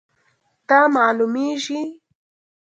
دا معلومیږي